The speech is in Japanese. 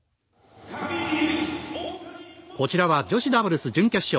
こちらは女子ダブルス準決勝。